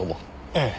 ええ。